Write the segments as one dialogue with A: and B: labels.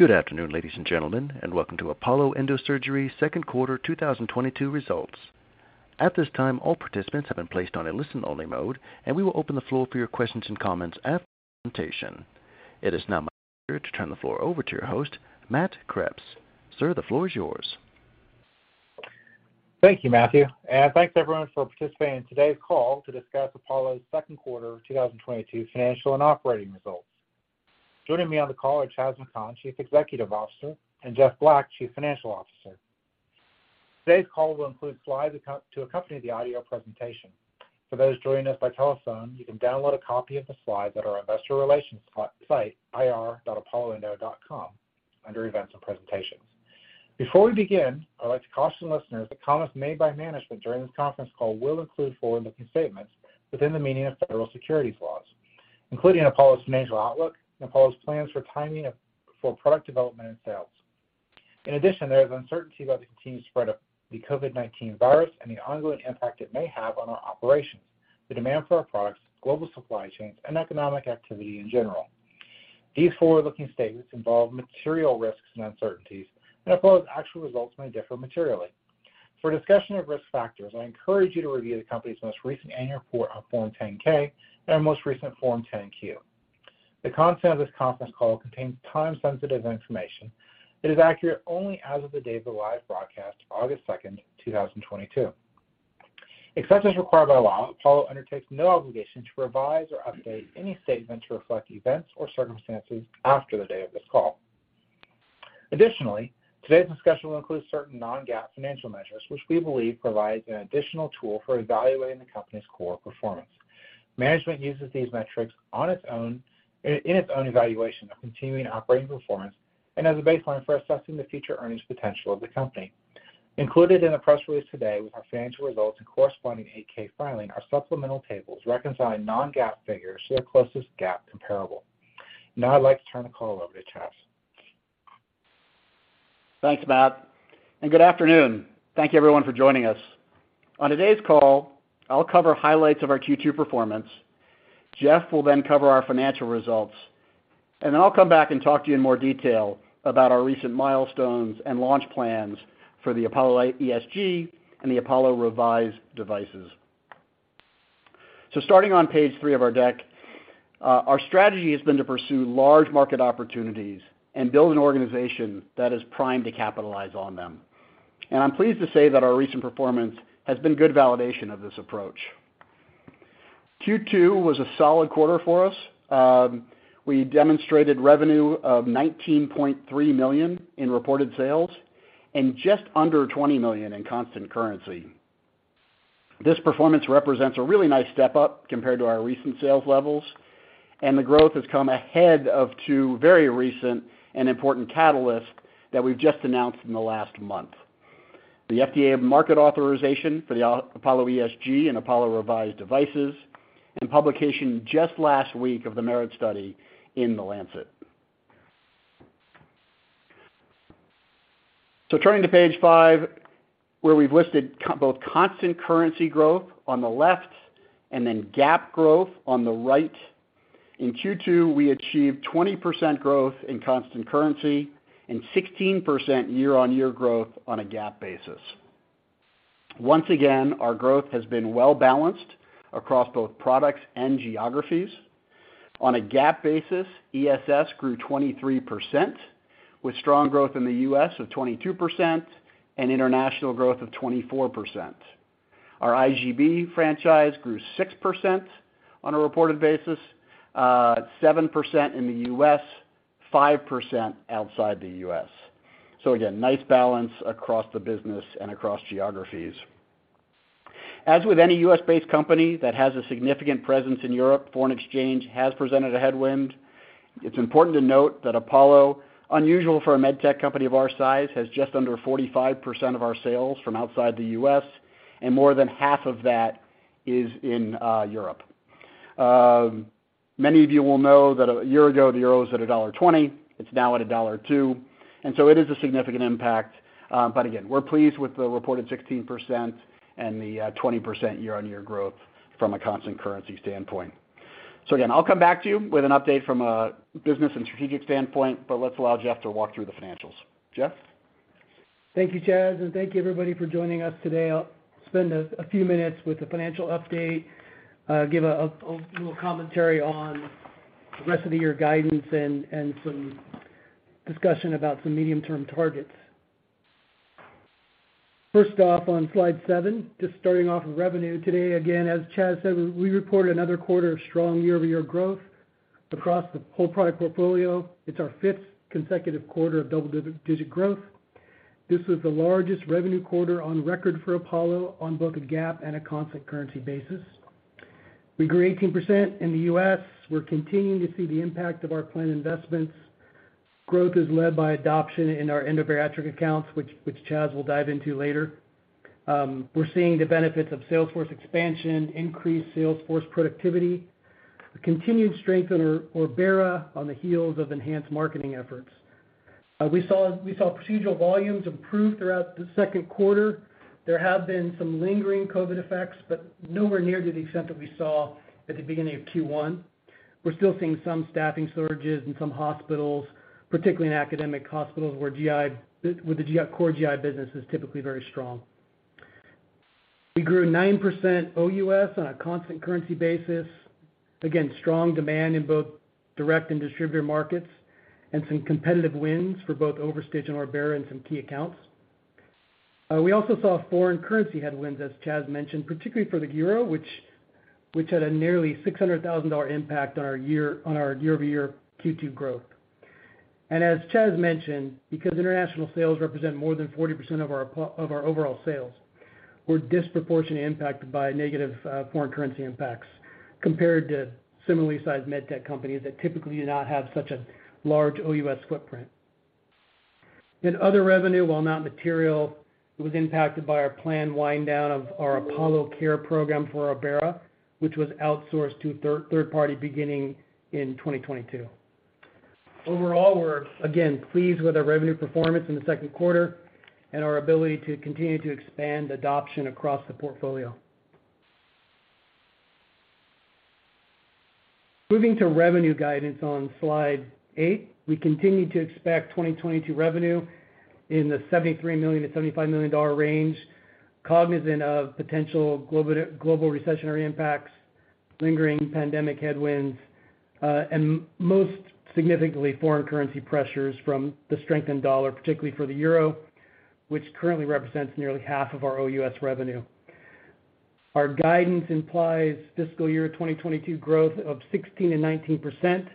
A: Good afternoon, ladies and gentlemen, and welcome to Apollo Endosurgery second quarter 2022 results. At this time, all participants have been placed on a listen-only mode, and we will open the floor for your questions and comments after the presentation. It is now my pleasure to turn the floor over to your host, Matt Kreps. Sir, the floor is yours.
B: Thank you, Matthew, and thanks everyone for participating in today's call to discuss Apollo's second quarter 2022 financial and operating results. Joining me on the call are Chas McKhann, Chief Executive Officer, and Jeffrey G. Black, Chief Financial Officer. Today's call will include slides to accompany the audio presentation. For those joining us by telephone, you can download a copy of the slides at our investor relations site, ir.apolloendo.com, under Events and Presentations. Before we begin, I'd like to caution listeners that comments made by management during this conference call will include forward-looking statements within the meaning of federal securities laws, including Apollo's financial outlook and Apollo's plans for product development and sales. In addition, there is uncertainty about the continued spread of the COVID-19 virus and the ongoing impact it may have on our operations, the demand for our products, global supply chains, and economic activity in general. These forward-looking statements involve material risks and uncertainties, and Apollo's actual results may differ materially. For a discussion of risk factors, I encourage you to review the company's most recent annual report on Form 10-K and our most recent Form 10-Q. The content of this conference call contains time-sensitive information. It is accurate only as of the day of the live broadcast, August 2nd, 2022. Except as required by law, Apollo undertakes no obligation to revise or update any statement to reflect events or circumstances after the day of this call. Additionally, today's discussion will include certain non-GAAP financial measures, which we believe provides an additional tool for evaluating the company's core performance. Management uses these metrics on its own, in its own evaluation of continuing operating performance and as a baseline for assessing the future earnings potential of the company. Included in the press release today with our financial results and corresponding 8-K filing are supplemental tables reconciling non-GAAP figures to their closest GAAP comparable. Now I'd like to turn the call over to Chas.
C: Thanks, Matt, and good afternoon. Thank you everyone for joining us. On today's call, I'll cover highlights of our Q2 performance. Jeff will then cover our financial results. I'll come back and talk to you in more detail about our recent milestones and launch plans for the Apollo ESG and the Apollo REVISE devices. Starting on page three of our deck, our strategy has been to pursue large market opportunities and build an organization that is primed to capitalize on them. I'm pleased to say that our recent performance has been good validation of this approach. Q2 was a solid quarter for us. We demonstrated revenue of $19.3 million in reported sales and just under $20 million in constant currency. This performance represents a really nice step-up compared to our recent sales levels, and the growth has come ahead of two very recent and important catalysts that we've just announced in the last month, the FDA market authorization for the Apollo ESG and Apollo REVISE devices, and publication just last week of the MERIT study in The Lancet. Turning to page five, where we've listed both constant currency growth on the left and then GAAP growth on the right. In Q2, we achieved 20% growth in constant currency and 16% year-on-year growth on a GAAP basis. Once again, our growth has been well-balanced across both products and geographies. On a GAAP basis, ESS grew 23%, with strong growth in the U.S. of 22% and international growth of 24%. Our IGB franchise grew 6% on a reported basis, at 7% in the U.S., 5% outside the U.S. Again, nice balance across the business and across geographies. As with any U.S.-based company that has a significant presence in Europe, foreign exchange has presented a headwind. It's important to note that Apollo, unusual for a med tech company of our size, has just under 45% of our sales from outside the U.S., and more than half of that is in Europe. Many of you will know that a year ago, the euro was at a $1.20 It's now at a $1.02, and so it is a significant impact. Again, we're pleased with the reported 16% and the 20% year-on-year growth from a constant currency standpoint. Again, I'll come back to you with an update from a business and strategic standpoint, but let's allow Jeff to walk through the financials. Jeff?
D: Thank you, Chas, and thank you everybody for joining us today. I'll spend a few minutes with the financial update, give a little commentary on the rest of the year guidance and some discussion about some medium-term targets. First off, on slide 7, just starting off with revenue. Today, again, as Chas said, we reported another quarter of strong year-over-year growth across the whole product portfolio. It's our fifth consecutive quarter of double-digit growth. This was the largest revenue quarter on record for Apollo on both a GAAP and a constant currency basis. We grew 18% in the U.S. We're continuing to see the impact of our planned investments. Growth is led by adoption in our endobariatric accounts, which Chas will dive into later. We're seeing the benefits of sales force expansion, increased sales force productivity, the continued strength in our Orbera on the heels of enhanced marketing efforts. We saw procedural volumes improve throughout the second quarter. There have been some lingering COVID effects, but nowhere near to the extent that we saw at the beginning of Q1. We're still seeing some staffing shortages in some hospitals, particularly in academic hospitals where core GI business is typically very strong. We grew 9% OUS on a constant currency basis. Again, strong demand in both direct and distributor markets and some competitive wins for both OverStitch and Orbera in some key accounts. We also saw foreign currency headwinds, as Chas mentioned, particularly for the euro, which had a nearly $600,000 impact on our year-over-year Q2 growth. As Chas mentioned, because international sales represent more than 40% of our overall sales, we're disproportionately impacted by negative foreign currency impacts compared to similarly sized med tech companies that typically do not have such a large OUS footprint. Other revenue, while not material, was impacted by our planned wind down of our ApolloCare program for Orbera, which was outsourced to third party beginning in 2022. Overall, we're again pleased with our revenue performance in the second quarter and our ability to continue to expand adoption across the portfolio. Moving to revenue guidance on slide 8. We continue to expect 2022 revenue in the $73 million-$75 million range, cognizant of potential global recessionary impacts, lingering pandemic headwinds, and most significantly, foreign currency pressures from the strengthened dollar, particularly for the euro, which currently represents nearly half of our OUS revenue. Our guidance implies fiscal year 2022 growth of 16%-19%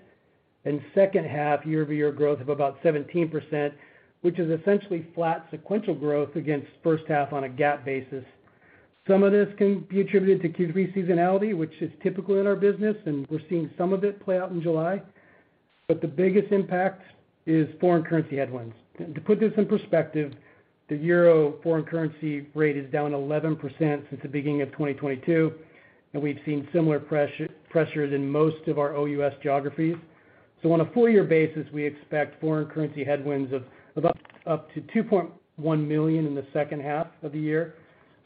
D: and second half year-over-year growth of about 17%, which is essentially flat sequential growth against first half on a GAAP basis. Some of this can be attributed to Q3 seasonality, which is typical in our business, and we're seeing some of it play out in July. The biggest impact is foreign currency headwinds. To put this in perspective, the euro foreign currency rate is down 11% since the beginning of 2022, and we've seen similar pressures in most of our OUS geographies. On a full year basis, we expect foreign currency headwinds of up to $2.1 million in the second half of the year,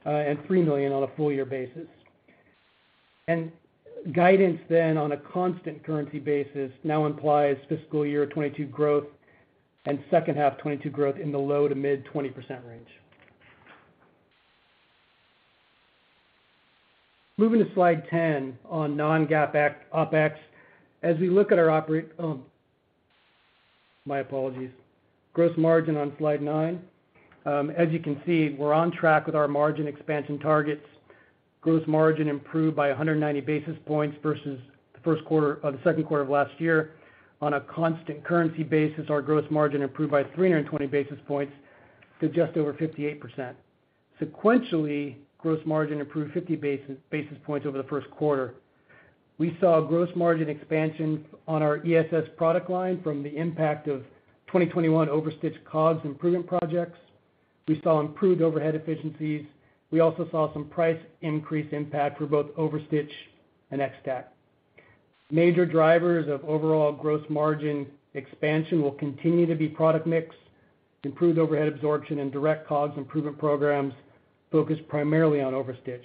D: and $3 million on a full year basis. Guidance then on a constant currency basis now implies fiscal year 2022 growth and second half 2022 growth in the low- to mid-20% range. Moving to slide 10 on non-GAAP OpEx. Gross margin on slide 9. As you can see, we're on track with our margin expansion targets. Gross margin improved by 190 basis points versus the first quarter or the second quarter of last year. On a constant currency basis, our gross margin improved by 320 basis points to just over 58%. Sequentially, gross margin improved 50 basis points over the first quarter. We saw gross margin expansion on our ESS product line from the impact of 2021 OverStitch COGS improvement projects. We saw improved overhead efficiencies. We also saw some price increase impact for both OverStitch and X-Tack. Major drivers of overall gross margin expansion will continue to be product mix, improved overhead absorption and direct COGS improvement programs focused primarily on OverStitch.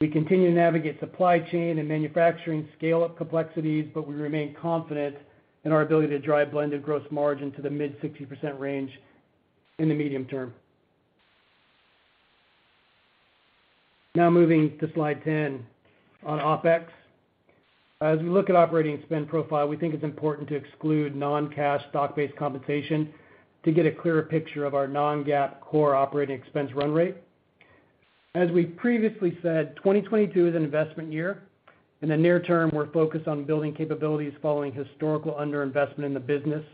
D: We continue to navigate supply chain and manufacturing scale up complexities, but we remain confident in our ability to drive blended gross margin to the mid-60% range in the medium term. Now moving to slide 10 on OpEx. As we look at operating spend profile, we think it's important to exclude non-cash stock-based compensation to get a clearer picture of our non-GAAP core operating expense run rate. As we previously said, 2022 is an investment year. In the near term, we're focused on building capabilities following historical underinvestment in the business,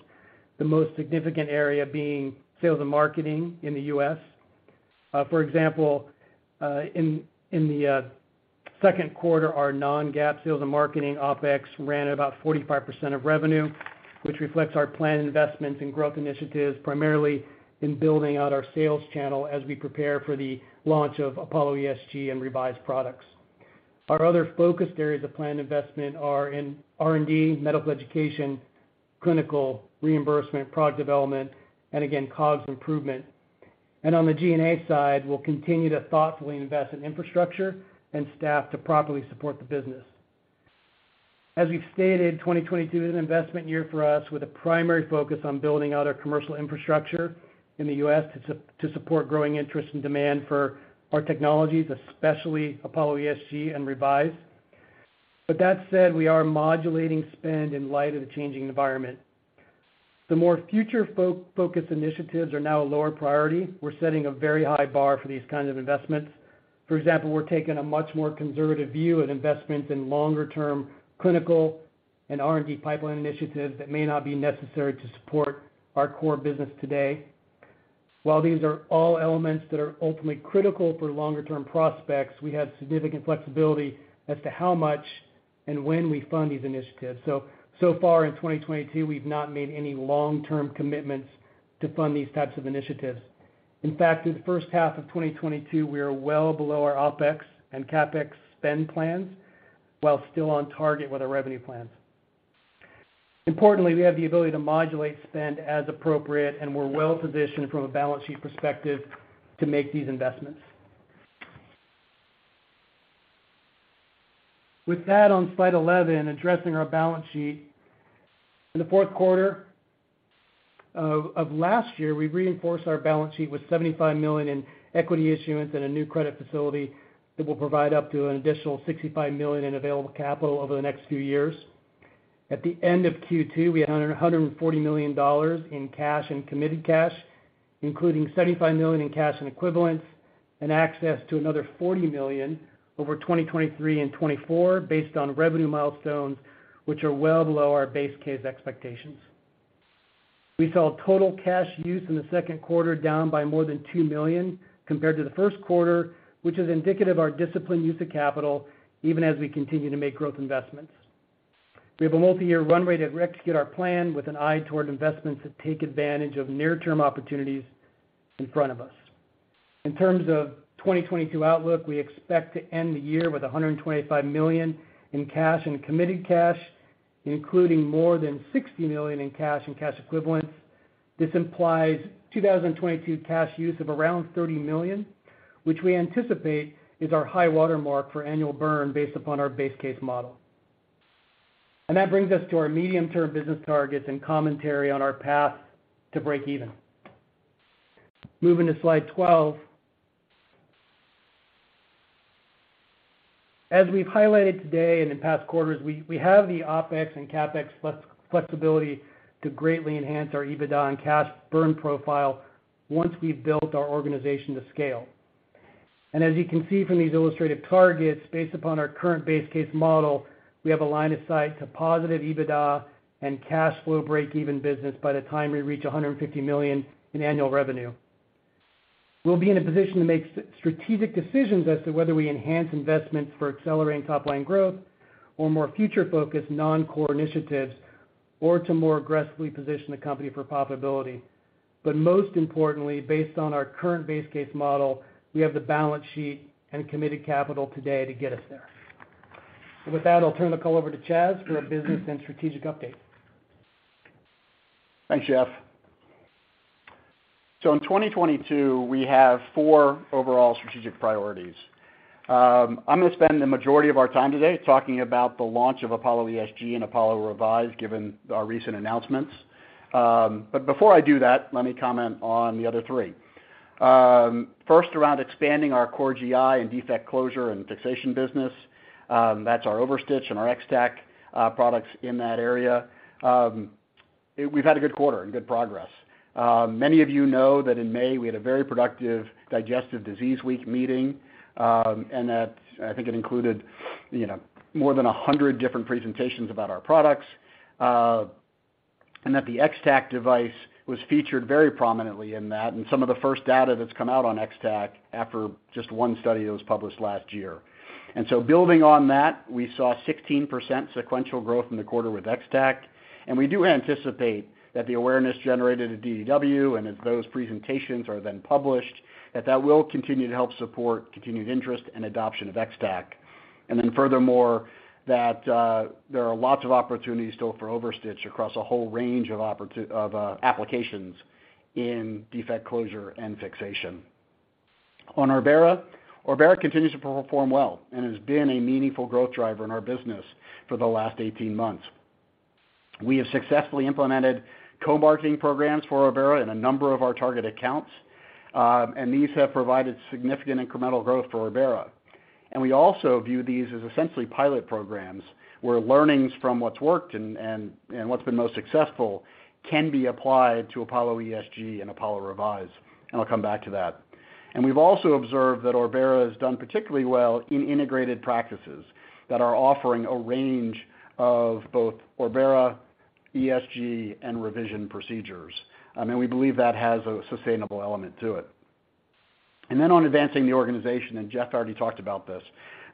D: the most significant area being sales and marketing in the U.S. For example, in the second quarter, our non-GAAP sales and marketing OpEx ran at about 45% of revenue, which reflects our planned investments in growth initiatives, primarily in building out our sales channel as we prepare for the launch of Apollo ESG and Revise products. Our other focused areas of planned investment are in R&D, medical education, clinical reimbursement, product development and again, COGS improvement. On the G&A side, we'll continue to thoughtfully invest in infrastructure and staff to properly support the business. As we've stated, 2022 is an investment year for us with a primary focus on building out our commercial infrastructure in the U.S. to support growing interest and demand for our technologies, especially Apollo ESG and Revise. That said, we are modulating spend in light of the changing environment. The more future focused initiatives are now a lower priority. We're setting a very high bar for these kinds of investments. For example, we're taking a much more conservative view of investments in longer term clinical and R&D pipeline initiatives that may not be necessary to support our core business today. While these are all elements that are ultimately critical for longer term prospects, we have significant flexibility as to how much and when we fund these initiatives. So far in 2022, we've not made any long-term commitments to fund these types of initiatives. In fact, through the first half of 2022, we are well below our OpEx and CapEx spend plans while still on target with our revenue plans. Importantly, we have the ability to modulate spend as appropriate, and we're well-positioned from a balance sheet perspective to make these investments. With that on slide 11, addressing our balance sheet. In the fourth quarter of last year, we reinforced our balance sheet with $75 million in equity issuance and a new credit facility that will provide up to an additional $65 million in available capital over the next few years. At the end of Q2, we had $140 million in cash and committed cash, including $75 million in cash and equivalents and access to another $40 million over 2023 and 2024 based on revenue milestones, which are well below our base case expectations. We saw total cash use in the second quarter down by more than $2 million compared to the first quarter, which is indicative of our disciplined use of capital even as we continue to make growth investments. We have a multi-year runway at rest to get our plan with an eye toward investments that take advantage of near-term opportunities in front of us. In terms of 2022 outlook, we expect to end the year with $125 million in cash and committed cash, including more than $60 million in cash and cash equivalents. This implies 2022 cash use of around $30 million, which we anticipate is our high water mark for annual burn based upon our base case model. That brings us to our medium-term business targets and commentary on our path to break even. Moving to slide 12. As we've highlighted today and in past quarters, we have the OpEx and CapEx flexibility to greatly enhance our EBITDA and cash burn profile once we've built our organization to scale. As you can see from these illustrative targets, based upon our current base case model, we have a line of sight to positive EBITDA and cash flow break even business by the time we reach $150 million in annual revenue. We'll be in a position to make strategic decisions as to whether we enhance investments for accelerating top line growth or more future-focused non-core initiatives or to more aggressively position the company for profitability. Most importantly, based on our current base case model, we have the balance sheet and committed capital today to get us there. With that, I'll turn the call over to Chas for a business and strategic update.
C: Thanks, Jeff. In 2022, we have four overall strategic priorities. I'm going to spend the majority of our time today talking about the launch of Apollo ESG and Apollo REVISE, given our recent announcements. But before I do that, let me comment on the other three. First around expanding our core GI and defect closure and fixation business, that's our OverStitch and our X-Tack products in that area. We've had a good quarter and good progress. Many of you know that in May, we had a very productive Digestive Disease Week meeting, and that I think it included, you know, more than 100 different presentations about our products, and that the X-Tack device was featured very prominently in that and some of the first data that's come out on X-Tack after just one study that was published last year. Building on that, we saw 16% sequential growth in the quarter with X-Tack, and we do anticipate that the awareness generated at DDW and as those presentations are then published, that will continue to help support continued interest and adoption of X-Tack. Furthermore, there are lots of opportunities still for OverStitch across a whole range of applications in defect closure and fixation. On Orbera continues to perform well and has been a meaningful growth driver in our business for the last 18 months. We have successfully implemented co-marketing programs for Orbera in a number of our targeted accounts, and these have provided significant incremental growth for Orbera. We also view these as essentially pilot programs, where learnings from what's worked and what's been most successful can be applied to Apollo ESG and Apollo Revise. I'll come back to that. We've also observed that Orbera has done particularly well in integrated practices that are offering a range of both Orbera, ESG, and revision procedures. I mean, we believe that has a sustainable element to it. Then on advancing the organization, and Jeff already talked about this,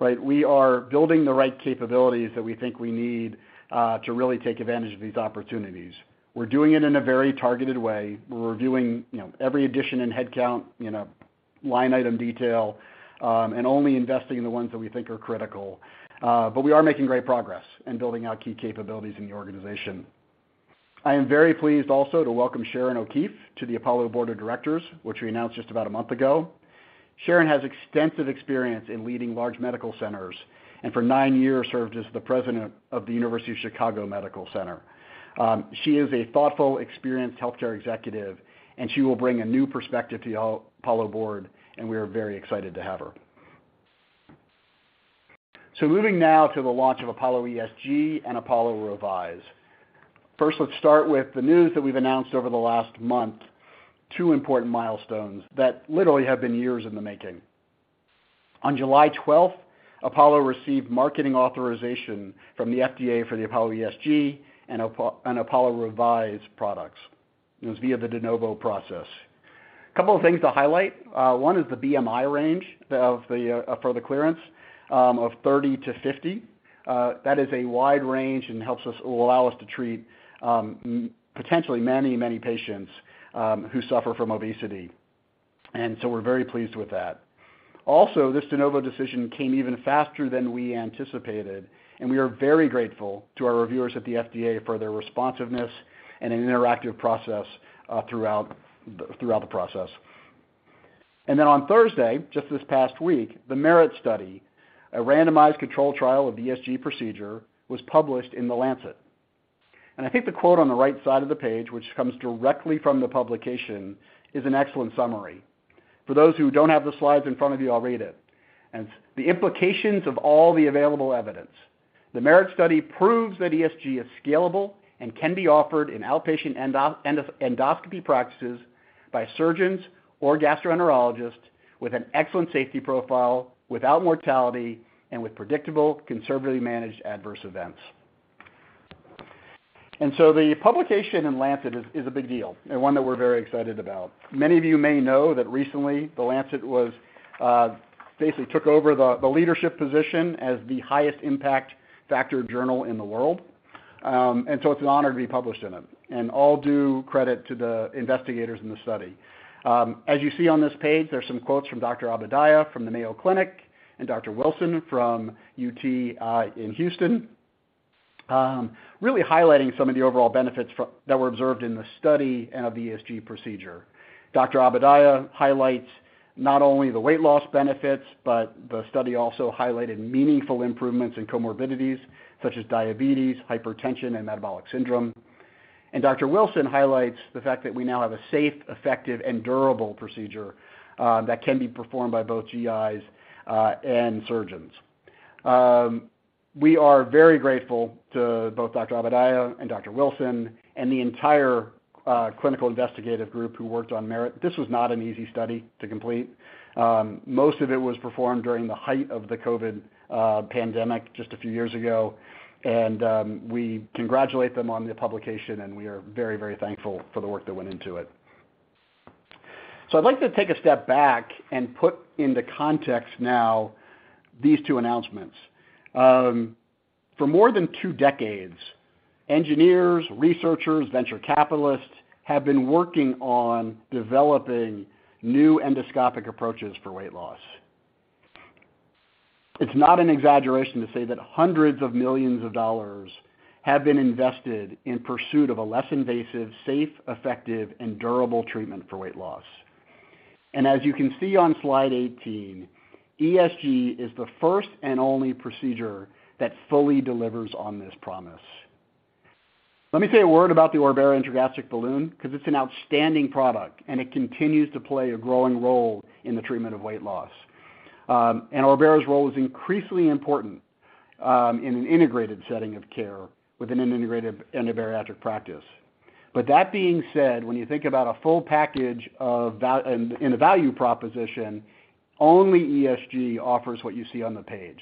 C: right? We are building the right capabilities that we think we need to really take advantage of these opportunities. We're doing it in a very targeted way. We're reviewing, you know, every addition in headcount, you know, line item detail, and only investing in the ones that we think are critical. We are making great progress in building out key capabilities in the organization. I am very pleased also to welcome Sharon O'Keefe to the Apollo Board of Directors, which we announced just about a month ago. Sharon has extensive experience in leading large medical centers, and for nine years served as the president of the University of Chicago Medical Center. She is a thoughtful, experienced healthcare executive, and she will bring a new perspective to the Apollo Board, and we are very excited to have her. Moving now to the launch of Apollo ESG and Apollo REVISE. First, let's start with the news that we've announced over the last month, two important milestones that literally have been years in the making. On July 12th, Apollo received marketing authorization from the FDA for the Apollo ESG and Apollo REVISE products. It was via the De Novo process. A couple of things to highlight. One is the BMI range for the clearance of 30-50. That is a wide range and helps us or allow us to treat potentially many patients who suffer from obesity. We're very pleased with that. This De Novo decision came even faster than we anticipated, and we are very grateful to our reviewers at the FDA for their responsiveness and an interactive process throughout the process. Then on Thursday, just this past week, the MERIT study, a randomized controlled trial of the ESG procedure, was published in The Lancet. I think the quote on the right side of the page, which comes directly from the publication, is an excellent summary. For those who don't have the slides in front of you, I'll read it. The implications of all the available evidence. The MERIT study proves that ESG is scalable and can be offered in outpatient endoscopy practices by surgeons or gastroenterologists with an excellent safety profile, without mortality, and with predictable, conservatively managed adverse events. The publication in The Lancet is a big deal and one that we're very excited about. Many of you may know that recently The Lancet was basically took over the leadership position as the highest impact factor journal in the world. It's an honor to be published in them, and all due credit to the investigators in the study. As you see on this page, there's some quotes from Dr. Abu Dayyeh from the Mayo Clinic and Dr. Wilson from UTHealth Houston, really highlighting some of the overall benefits that were observed in the study of the ESG procedure. Dr. Abu Dayyeh highlights not only the weight loss benefits, but the study also highlighted meaningful improvements in comorbidities such as diabetes, hypertension, and metabolic syndrome. Dr. Wilson highlights the fact that we now have a safe, effective, and durable procedure that can be performed by both GIs and surgeons. We are very grateful to both Dr. Abu Dayyeh and Dr. Wilson and the entire clinical investigative group who worked on MERIT. This was not an easy study to complete. Most of it was performed during the height of the COVID pandemic just a few years ago, and we congratulate them on the publication, and we are very, very thankful for the work that went into it. I'd like to take a step back and put into context now these two announcements. For more than two decades, engineers, researchers, venture capitalists have been working on developing new endoscopic approaches for weight loss. It's not an exaggeration to say that hundreds of millions of dollars have been invested in pursuit of a less invasive, safe, effective, and durable treatment for weight loss. As you can see on slide 18, ESG is the first and only procedure that fully delivers on this promise. Let me say a word about the Orbera intragastric balloon because it's an outstanding product, and it continues to play a growing role in the treatment of weight loss. Orbera's role is increasingly important in an integrated setting of care within an integrated endobariatric practice. That being said, when you think about a full package in a value proposition, only ESG offers what you see on the page.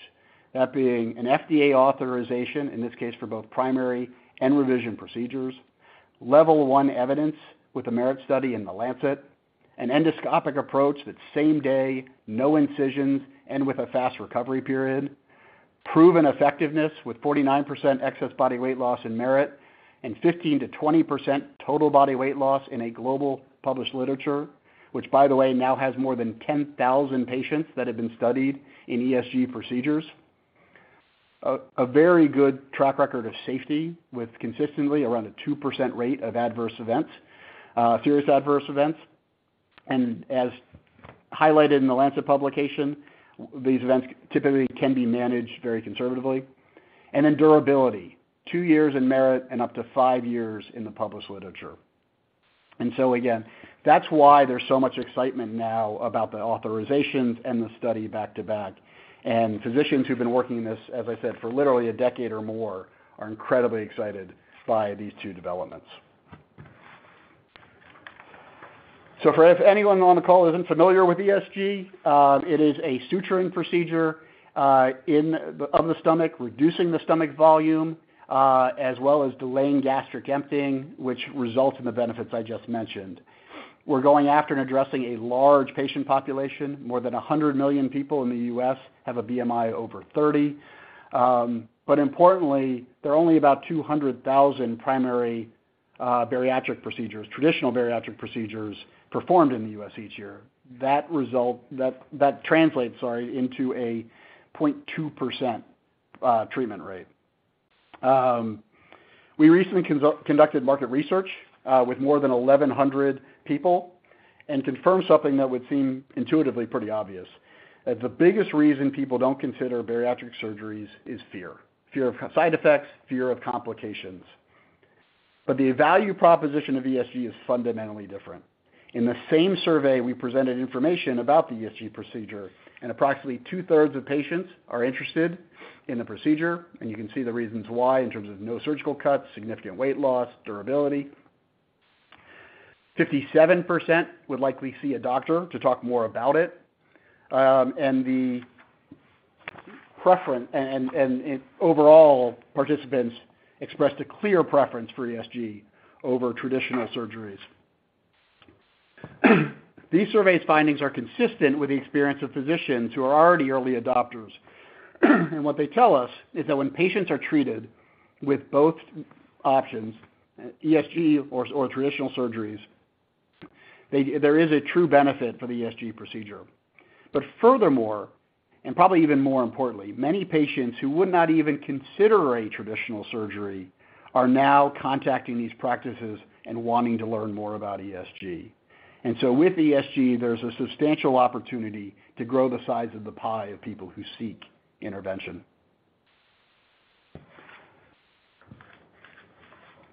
C: That being an FDA authorization, in this case, for both primary and revision procedures, level one evidence with the MERIT study in The Lancet, an endoscopic approach that's same day, no incisions, and with a fast recovery period, proven effectiveness with 49% excess body weight loss in MERIT and 15%-20% total body weight loss in a global published literature, which by the way, now has more than 10,000 patients that have been studied in ESG procedures. A very good track record of safety with consistently around a 2% rate of adverse events, serious adverse events. As highlighted in The Lancet publication, these events typically can be managed very conservatively. Durability, two years in MERIT and up to five years in the published literature. Again, that's why there's so much excitement now about the authorizations and the study back-to-back. Physicians who've been working this, as I said, for literally a decade or more, are incredibly excited by these two developments. If anyone on the call isn't familiar with ESG, it is a suturing procedure of the stomach, reducing the stomach volume, as well as delaying gastric emptying, which results in the benefits I just mentioned. We're going after and addressing a large patient population. More than 100 million people in the U.S. have a BMI over 30. But importantly, there are only about 200,000 primary bariatric procedures, traditional bariatric procedures performed in the U.S. each year. That translates into a 0.2% treatment rate. We recently conducted market research with more than 1,100 people and confirmed something that would seem intuitively pretty obvious, that the biggest reason people don't consider bariatric surgeries is fear. Fear of side effects, fear of complications. The value proposition of ESG is fundamentally different. In the same survey, we presented information about the ESG procedure, and approximately 2/3 of patients are interested in the procedure. You can see the reasons why in terms of no surgical cuts, significant weight loss, durability. 57% would likely see a doctor to talk more about it. Overall, participants expressed a clear preference for ESG over traditional surgeries. These survey's findings are consistent with the experience of physicians who are already early adopters. What they tell us is that when patients are treated with both options, ESG or traditional surgeries, there is a true benefit for the ESG procedure. Furthermore, and probably even more importantly, many patients who would not even consider a traditional surgery are now contacting these practices and wanting to learn more about ESG. With ESG, there's a substantial opportunity to grow the size of the pie of people who seek intervention.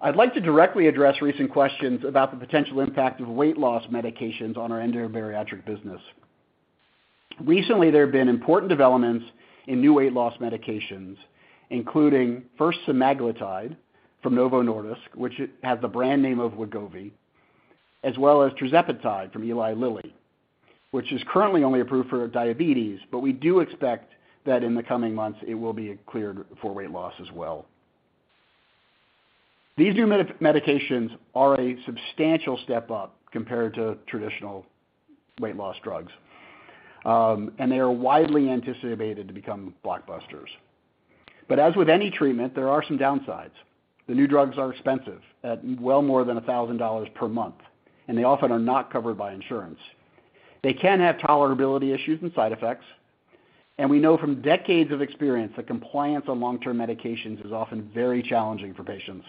C: I'd like to directly address recent questions about the potential impact of weight loss medications on our endobariatric business. Recently, there have been important developments in new weight loss medications, including first semaglutide from Novo Nordisk, which has the brand name of Wegovy, as well as tirzepatide from Eli Lilly, which is currently only approved for diabetes. We do expect that in the coming months it will be cleared for weight loss as well. These new medications are a substantial step up compared to traditional weight loss drugs. They are widely anticipated to become blockbusters. As with any treatment, there are some downsides. The new drugs are expensive, at well more than $1,000 per month, and they often are not covered by insurance. They can have tolerability issues and side effects. We know from decades of experience that compliance on long-term medications is often very challenging for patients.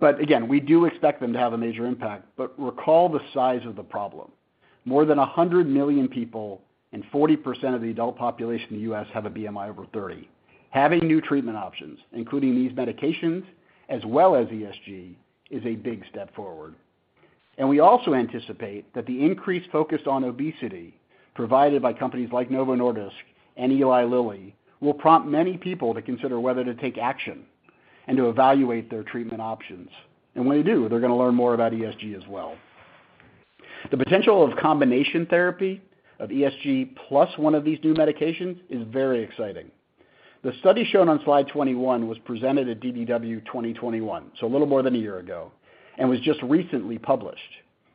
C: Again, we do expect them to have a major impact. Recall the size of the problem. More than 100 million people and 40% of the adult population in the U.S. have a BMI over 30. Having new treatment options, including these medications as well as ESG, is a big step forward. We also anticipate that the increased focus on obesity provided by companies like Novo Nordisk and Eli Lilly will prompt many people to consider whether to take action and to evaluate their treatment options. When they do, they're going to learn more about ESG as well. The potential of combination therapy of ESG plus one of these new medications is very exciting. The study shown on slide 21 was presented at DDW 2021, so a little more than a year ago, and was just recently published.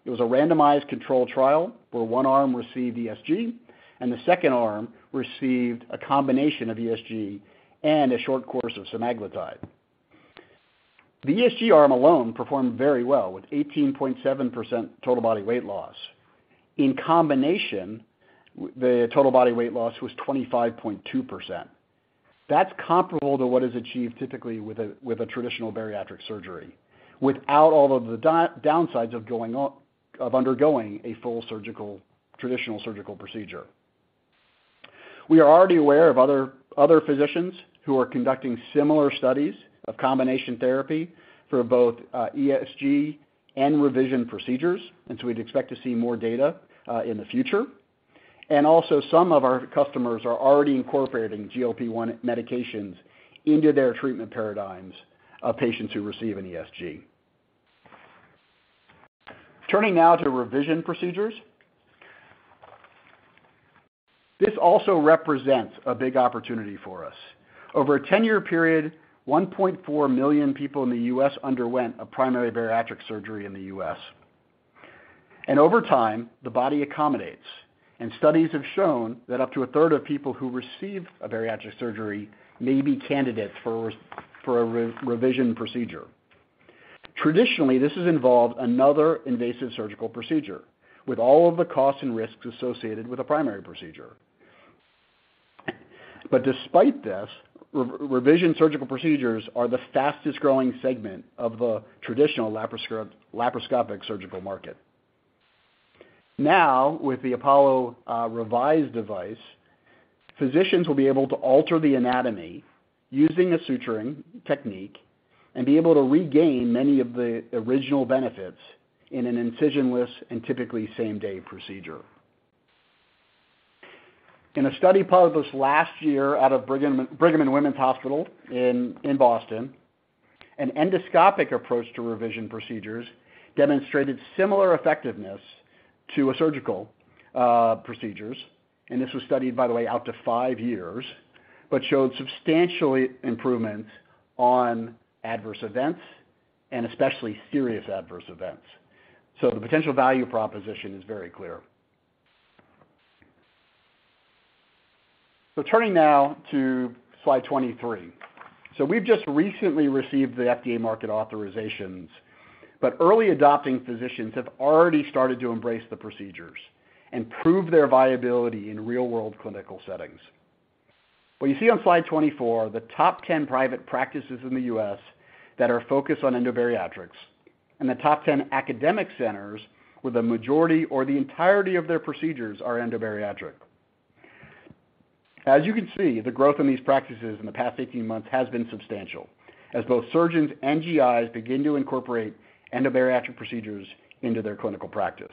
C: It was a randomized controlled trial where one arm received ESG and the second arm received a combination of ESG and a short course of semaglutide. The ESG arm alone performed very well with 18.7% total body weight loss. In combination, the total body weight loss was 25.2%. That's comparable to what is achieved typically with a traditional bariatric surgery without all of the downsides of undergoing a traditional surgical procedure. We are already aware of other physicians who are conducting similar studies of combination therapy for both ESG and revision procedures, and so we'd expect to see more data in the future. Also some of our customers are already incorporating GLP-1 medications into their treatment paradigms of patients who receive an ESG. Turning now to revision procedures. This also represents a big opportunity for us. Over a 10-year period, 1.4 million people in the U.S. underwent a primary bariatric surgery in the US. Over time, the body accommodates. Studies have shown that up to a 1/3 of people who receive a bariatric surgery may be candidates for a revision procedure. Traditionally, this has involved another invasive surgical procedure with all of the costs and risks associated with a primary procedure. Despite this, revision surgical procedures are the fastest growing segment of the traditional laparoscopic surgical market. Now, with the Apollo REVISE device, physicians will be able to alter the anatomy using a suturing technique and be able to regain many of the original benefits in an incisionless and typically same-day procedure. In a study published last year out of Brigham and Women's Hospital in Boston, an endoscopic approach to revision procedures demonstrated similar effectiveness to surgical procedures. This was studied, by the way, out to five years, but showed substantial improvement on adverse events and especially serious adverse events. The potential value proposition is very clear. Turning now to slide 23. We've just recently received the FDA market authorizations, but early adopting physicians have already started to embrace the procedures and prove their viability in real-world clinical settings. What you see on slide 24 are the top 10 private practices in the U.S. that are focused on endobariatric, and the top 10 academic centers where the majority or the entirety of their procedures are endobariatric. As you can see, the growth in these practices in the past 18 months has been substantial as both surgeons and GIs begin to incorporate endobariatric procedures into their clinical practice.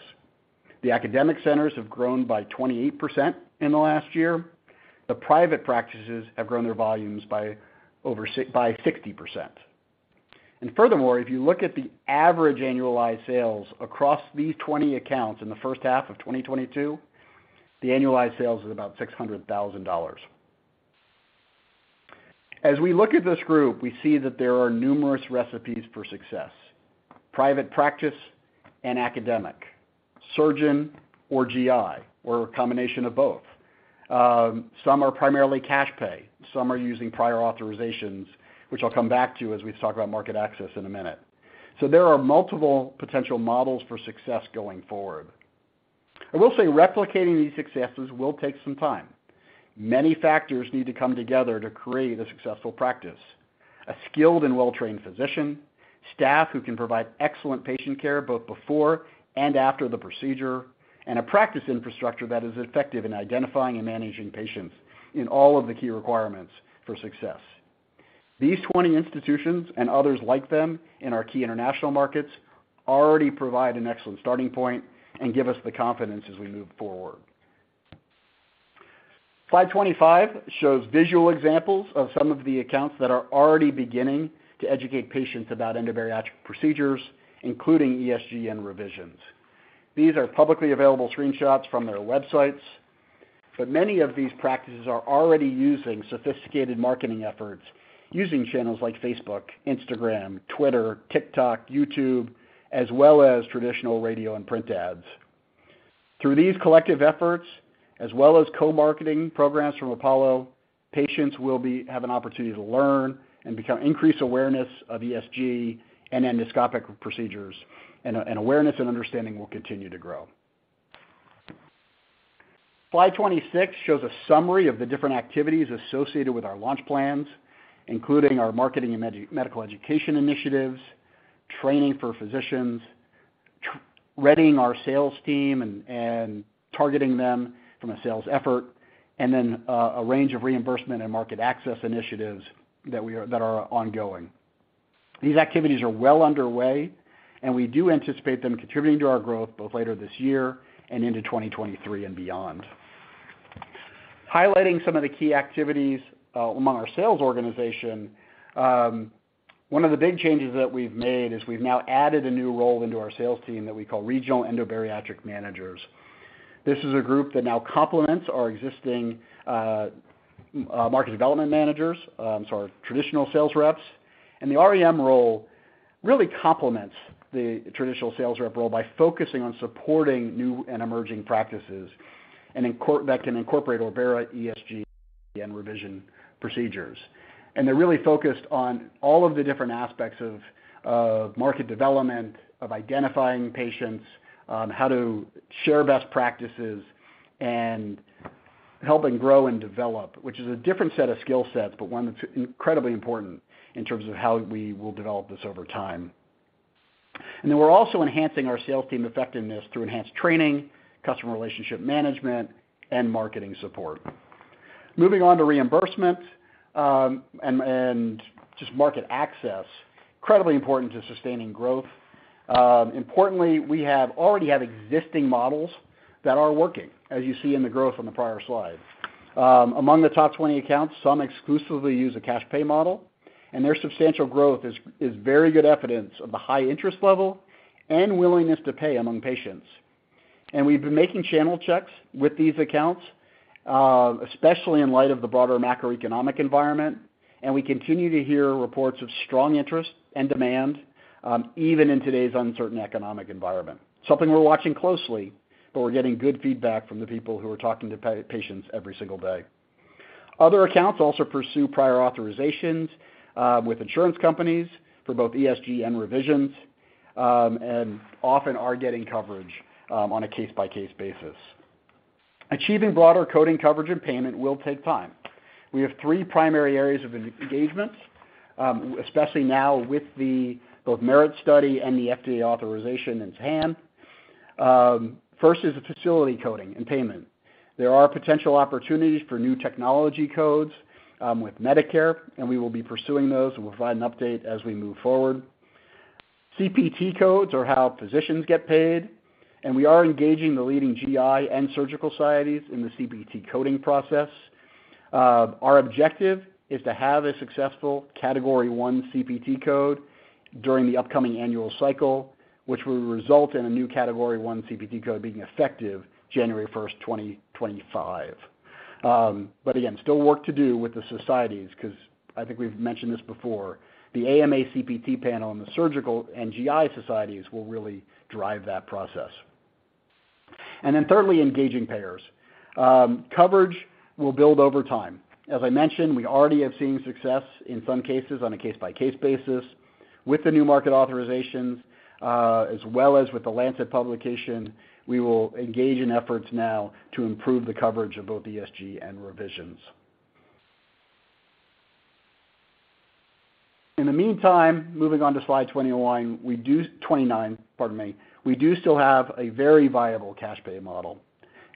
C: The academic centers have grown by 28% in the last year. The private practices have grown their volumes by over 60%. Furthermore, if you look at the average annualized sales across these 20 accounts in the first half of 2022, the annualized sales is about $600,000. As we look at this group, we see that there are numerous recipes for success, private practice and academic, surgeon or GI, or a combination of both. Some are primarily cash pay. Some are using prior authorizations, which I'll come back to as we talk about market access in a minute. There are multiple potential models for success going forward. I will say replicating these successes will take some time. Many factors need to come together to create a successful practice. A skilled and well-trained physician, staff who can provide excellent patient care both before and after the procedure, and a practice infrastructure that is effective in identifying and managing patients in all of the key requirements for success. These 20 institutions and others like them in our key international markets already provide an excellent starting point and give us the confidence as we move forward. Slide 25 shows visual examples of some of the accounts that are already beginning to educate patients about endobariatric procedures, including ESG and revisions. These are publicly available screenshots from their websites, but many of these practices are already using sophisticated marketing efforts using channels like Facebook, Instagram, Twitter, TikTok, YouTube, as well as traditional radio and print ads. Through these collective efforts, as well as co-marketing programs from Apollo, patients will have an opportunity to learn and become increased awareness of ESG and endoscopic procedures, and awareness and understanding will continue to grow. Slide 26 shows a summary of the different activities associated with our launch plans, including our marketing and medical education initiatives, training for physicians, readying our sales team and targeting them from a sales effort, and then a range of reimbursement and market access initiatives that are ongoing. These activities are well underway, and we do anticipate them contributing to our growth both later this year and into 2023 and beyond. Highlighting some of the key activities among our sales organization, one of the big changes that we've made is we've now added a new role into our sales team that we call regional endobariatric managers. This is a group that now complements our existing market development managers, so our traditional sales reps. The REM role really complements the traditional sales rep role by focusing on supporting new and emerging practices that can incorporate Orbera ESG and revision procedures. They're really focused on all of the different aspects of market development, of identifying patients, how to share best practices, and helping grow and develop, which is a different set of skill sets, but one that's incredibly important in terms of how we will develop this over time. We're also enhancing our sales team effectiveness through enhanced training, customer relationship management, and marketing support. Moving on to reimbursement and just market access, incredibly important to sustaining growth. Importantly, we already have existing models that are working, as you see in the growth on the prior slide. Among the top 20 accounts, some exclusively use a cash pay model, and their substantial growth is very good evidence of the high interest level and willingness to pay among patients. We've been making channel checks with these accounts, especially in light of the broader macroeconomic environment, and we continue to hear reports of strong interest and demand, even in today's uncertain economic environment. Something we're watching closely, but we're getting good feedback from the people who are talking to patients every single day. Other accounts also pursue prior authorizations with insurance companies for both ESG and revisions and often are getting coverage on a case-by-case basis. Achieving broader coding coverage and payment will take time. We have three primary areas of engagement, especially now with both the MERIT study and the FDA authorization in hand. First is the facility coding and payment. There are potential opportunities for new technology codes with Medicare, and we will be pursuing those, and we'll provide an update as we move forward. CPT codes are how physicians get paid, and we are engaging the leading GI and surgical societies in the CPT coding process. Our objective is to have a successful Category I CPT code during the upcoming annual cycle, which will result in a new Category I CPT code being effective January 1, 2025. Again, still work to do with the societies because I think we've mentioned this before, the AMA CPT panel and the surgical and GI societies will really drive that process. Then thirdly, engaging payers. Coverage will build over time. As I mentioned, we already have seen success in some cases on a case-by-case basis with the new market authorizations, as well as with The Lancet publication. We will engage in efforts now to improve the coverage of both ESG and revisions. In the meantime, moving on to slide 21, 29, pardon me. We still have a very viable cash pay model,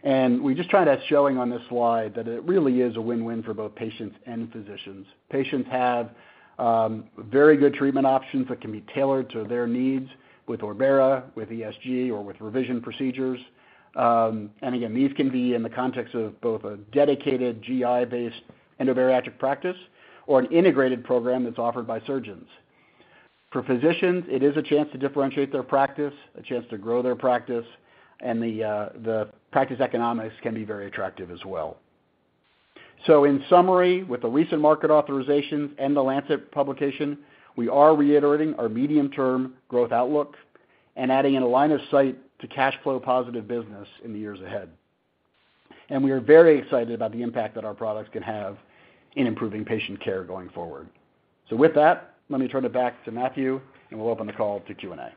C: and we're just trying to show on this slide that it really is a win-win for both patients and physicians. Patients have very good treatment options that can be tailored to their needs with Orbera, with ESG, or with revision procedures. And again, these can be in the context of both a dedicated GI-based endobariatric practice or an integrated program that's offered by surgeons. For physicians, it is a chance to differentiate their practice, a chance to grow their practice, and the practice economics can be very attractive as well. In summary, with the recent market authorizations and The Lancet publication, we are reiterating our medium-term growth outlook and adding in a line of sight to cash flow positive business in the years ahead. We are very excited about the impact that our products can have in improving patient care going forward. With that, let me turn it back to Matthew, and we'll open the call to Q&A.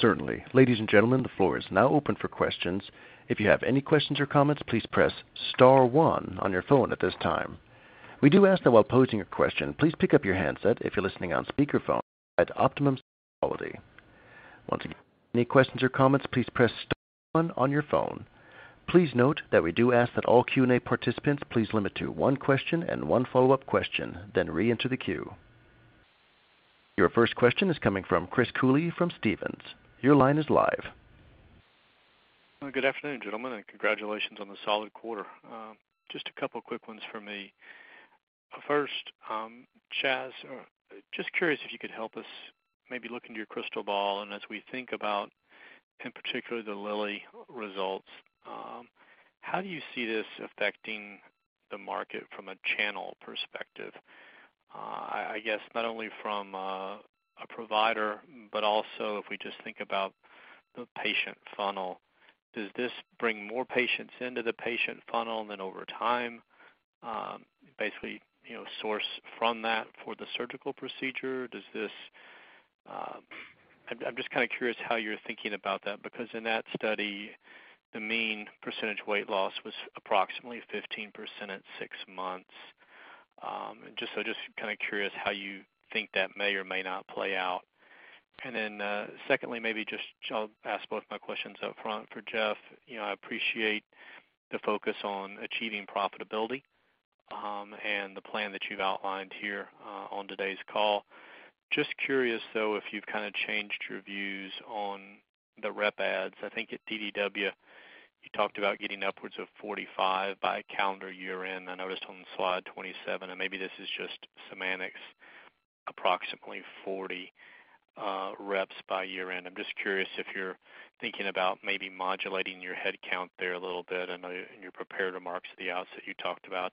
A: Certainly. Ladies and gentlemen, the floor is now open for questions. If you have any questions or comments, please press star one on your phone at this time. We do ask that while posing your question, please pick up your handset if you're listening on speakerphone to provide optimum sound quality. Once again, any questions or comments, please press star one on your phone. Please note that we do ask that all Q&A participants please limit to one question and one follow-up question, then reenter the queue. Your first question is coming from Chris Cooley from Stephens. Your line is live.
E: Good afternoon, gentlemen, and congratulations on the solid quarter. Just a couple of quick ones for me. First, Chas, just curious if you could help us maybe look into your crystal ball. As we think about, in particular, the Lilly results, how do you see this affecting the market from a channel perspective? I guess not only from a provider, but also if we just think about the patient funnel, does this bring more patients into the patient funnel and then over time, basically, you know, source from that for the surgical procedure? Does this, I'm just kinda curious how you're thinking about that, because in that study, the mean percentage weight loss was approximately 15% at six months. Just kinda curious how you think that may or may not play out. Secondly, maybe just I'll ask both my questions up front. For Jeff, you know, I appreciate the focus on achieving profitability, and the plan that you've outlined here, on today's call. Just curious, though, if you've kinda changed your views on the rep adds. I think at DDW, you talked about getting upwards of 45 by calendar year-end. I noticed on slide 27, and maybe this is just semantics, approximately 40 reps by year-end. I'm just curious if you're thinking about maybe modulating your head count there a little bit. I know in your prepared remarks at the outset, you talked about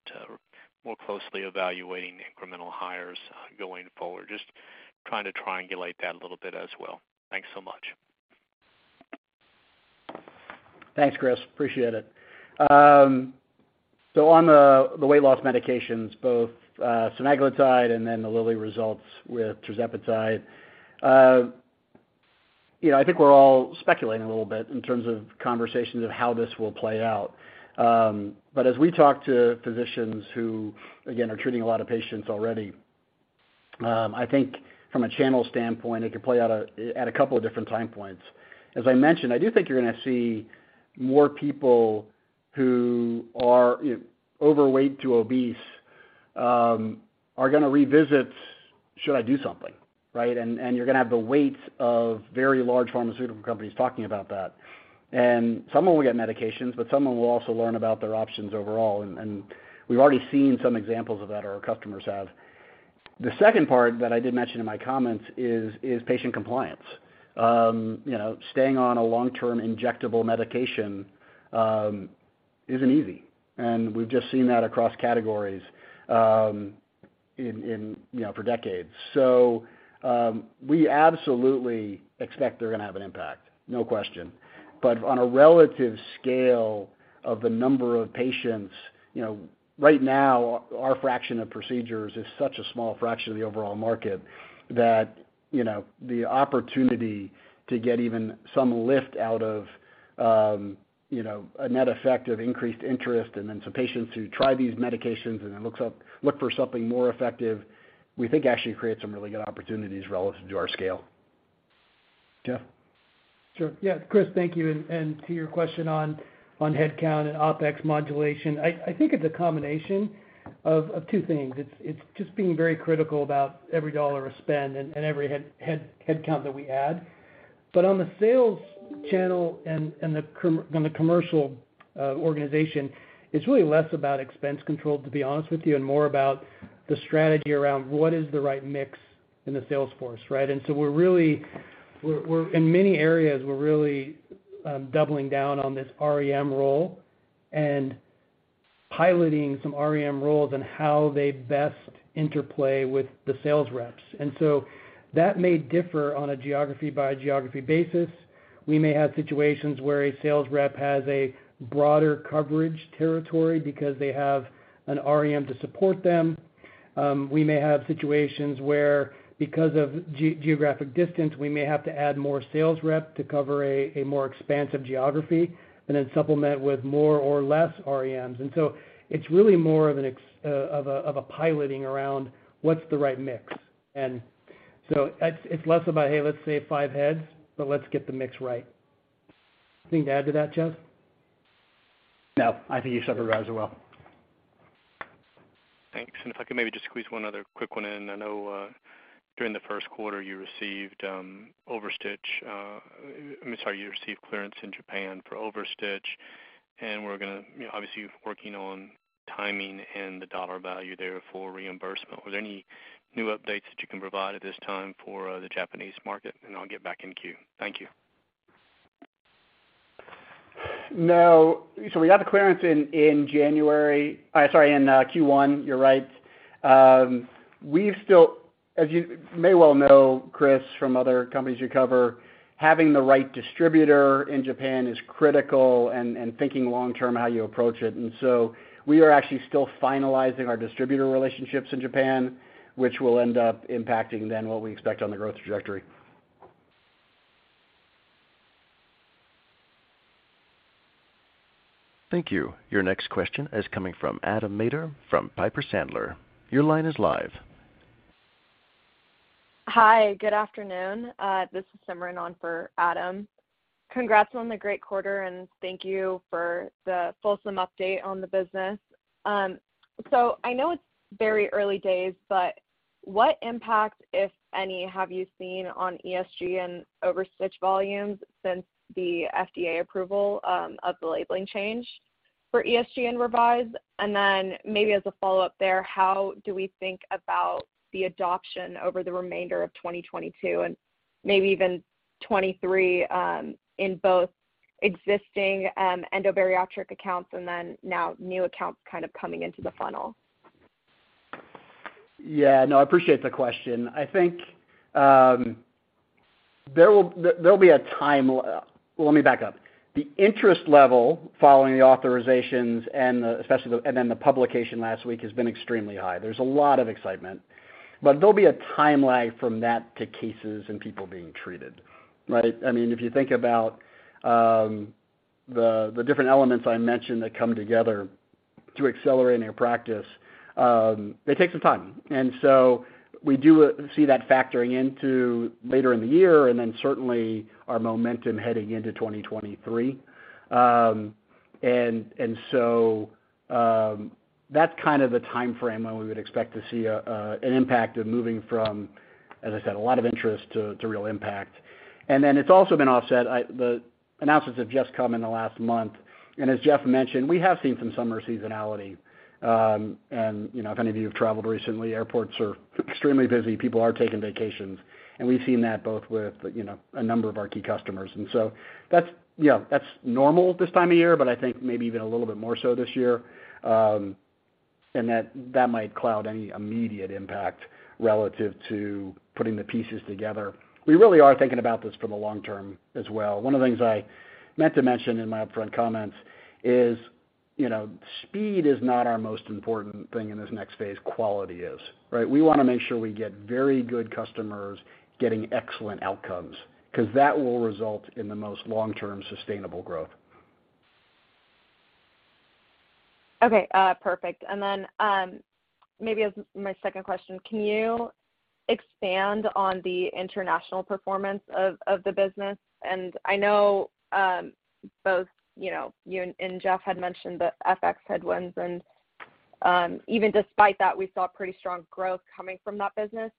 E: more closely evaluating incremental hires going forward. Just trying to triangulate that a little bit as well. Thanks so much.
C: Thanks, Chris. Appreciate it. On the weight loss medications, both semaglutide and then the Lilly results with tirzepatide. You know, I think we're all speculating a little bit in terms of conversations of how this will play out. As we talk to physicians who, again, are treating a lot of patients already, I think from a channel standpoint, it could play out at a couple of different time points. As I mentioned, I do think you're gonna see more people who are, you know, overweight to obese, are gonna revisit, should I do something, right? You're gonna have the weight of very large pharmaceutical companies talking about that. Some of them will get medications, but some of them will also learn about their options overall. We've already seen some examples of that our customers have. The second part that I did mention in my comments is patient compliance. You know, staying on a long-term injectable medication isn't easy. We've just seen that across categories in you know, for decades. We absolutely expect they're gonna have an impact, no question. On a relative scale of the number of patients, you know, right now, our fraction of procedures is such a small fraction of the overall market that, you know, the opportunity to get even some lift out of a net effect of increased interest and then some patients who try these medications and then look for something more effective, we think actually creates some really good opportunities relative to our scale. Jeff?
D: Sure. Yeah, Chris, thank you. To your question on headcount and OpEx modulation, I think it's a combination of two things. It's just being very critical about every dollar of spend and every headcount that we add. On the sales channel and on the commercial organization, it's really less about expense control, to be honest with you, and more about the strategy around what is the right mix in the sales force, right? We're really in many areas really doubling down on this REM role and piloting some REM roles and how they best interplay with the sales reps. That may differ on a geography by geography basis. We may have situations where a sales rep has a broader coverage territory because they have an REM to support them. We may have situations where because of geographic distance, we may have to add more sales rep to cover a more expansive geography and then supplement with more or less REMs. It's really more of a piloting around what's the right mix. It's less about, hey, let's save five heads, but let's get the mix right. Anything to add to that, Chas?
C: No. I think you summarized it well.
E: Thanks. If I could maybe just squeeze one other quick one in. I know during the first quarter, you received OverStitch. I'm sorry, you received clearance in Japan for OverStitch, and we're gonna obviously working on timing and the dollar value there for reimbursement. Was there any new updates that you can provide at this time for the Japanese market? I'll get back in queue. Thank you.
C: No. We got the clearance in Q1. You're right. We've still, as you may well know, Chris, from other companies you cover, having the right distributor in Japan is critical and thinking long-term how you approach it. We are actually still finalizing our distributor relationships in Japan, which will end up impacting then what we expect on the growth trajectory.
A: Thank you. Your next question is coming from Adam Maeder from Piper Sandler. Your line is live.
F: Hi. Good afternoon. This is Simran on for Adam. Congrats on the great quarter, and thank you for the fulsome update on the business. I know it's very early days, but what impact, if any, have you seen on ESG OverStitch volumes since the FDA approval of the labeling change for ESG Revise? And then maybe as a follow-up there, how do we think about the adoption over the remainder of 2022 and maybe even 2023, in both existing endobariatric accounts and then now new accounts kind of coming into the funnel?
C: I appreciate the question. I think there will be a time. Let me back up. The interest level following the authorizations and especially the publication last week has been extremely high. There's a lot of excitement. There'll be a time lag from that to cases and people being treated, right? I mean, if you think about the different elements I mentioned that come together to accelerating a practice, they take some time. We do see that factoring into later in the year and then certainly our momentum heading into 2023. That's kind of the timeframe when we would expect to see an impact of moving from, as I said, a lot of interest to real impact. It's also been offset. The announcements have just come in the last month. As Jeff mentioned, we have seen some summer seasonality. You know, if any of you have traveled recently, airports are extremely busy. People are taking vacations. We've seen that both with, you know, a number of our key customers. That's normal this time of year, but I think maybe even a little bit more so this year. That might cloud any immediate impact relative to putting the pieces together. We really are thinking about this for the long term as well. One of the things I meant to mention in my upfront comments is, you know, speed is not our most important thing in this next phase. Quality is, right? We wanna make sure we get very good customers getting excellent outcomes, 'cause that will result in the most long-term sustainable growth.
F: Okay, perfect. Maybe as my second question, can you expand on the international performance of the business? I know both, you know, you and Jeff had mentioned the FX headwinds, and even despite that, we saw pretty strong growth coming from that business.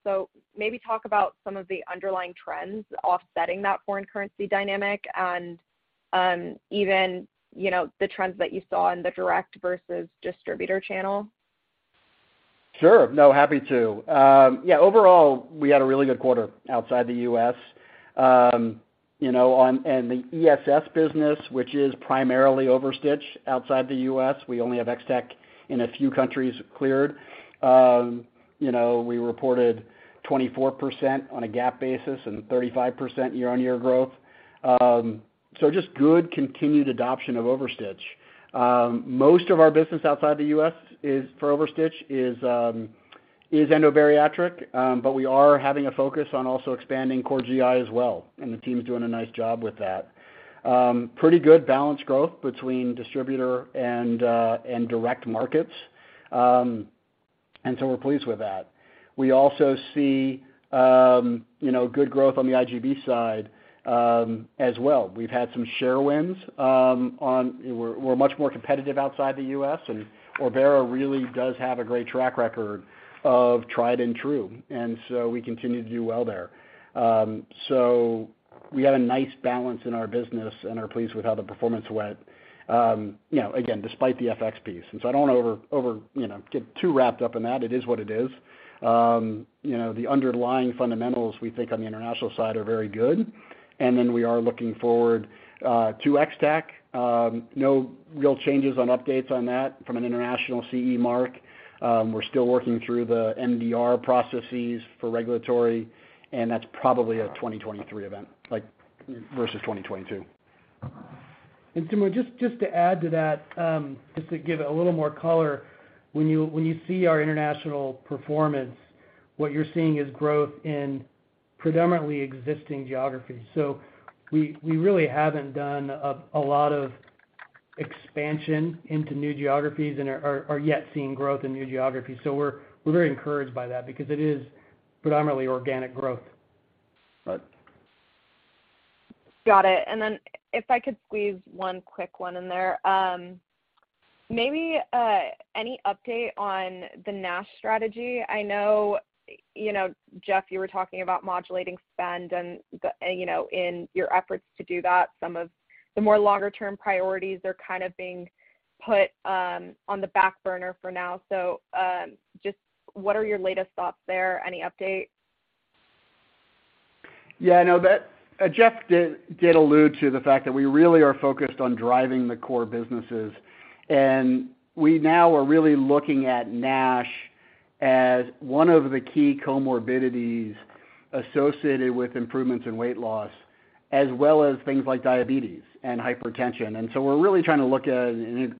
F: Maybe talk about some of the underlying trends offsetting that foreign currency dynamic and even, you know, the trends that you saw in the direct versus distributor channel.
C: Sure. No, happy to. Yeah, overall, we had a really good quarter outside the U.S. The ESS business, which is primarily OverStitch outside the U.S., we only have X-Tack in a few countries cleared. You know, we reported 24% on a GAAP basis and 35% year-on-year growth. Just good continued adoption of OverStitch. Most of our business outside the U.S. is, for OverStitch, endobariatric, but we are having a focus on also expanding core GI as well, and the team's doing a nice job with that. Pretty good balanced growth between distributor and direct markets. We're pleased with that. We also see good growth on the IGB side as well. We've had some share wins. We're much more competitive outside the US, and Orbera really does have a great track record of tried and true, and so we continue to do well there. So we had a nice balance in our business and are pleased with how the performance went, you know, again, despite the FX piece. I don't wanna get too wrapped up in that. It is what it is. You know, the underlying fundamentals we think on the international side are very good. Then we are looking forward to X-Tack. No real changes or updates on that from an international CE mark. We're still working through the MDR processes for regulatory, and that's probably a 2023 event, like, versus 2022.
D: Simran, just to add to that, just to give a little more color, when you see our international performance, what you're seeing is growth in predominantly existing geographies. We really haven't done a lot of expansion into new geographies and are yet seeing growth in new geographies. We're very encouraged by that because it is predominantly organic growth.
C: Right.
F: Got it. If I could squeeze one quick one in there. Maybe any update on the NASH strategy? I know, Jeff, you were talking about modulating spend. In your efforts to do that, some of the more longer term priorities are kind of being put on the back burner for now. Just what are your latest thoughts there? Any update?
C: Yeah, no, Jeff did allude to the fact that we really are focused on driving the core businesses. We now are really looking at NASH as one of the key comorbidities associated with improvements in weight loss, as well as things like diabetes and hypertension. We're really trying to look at it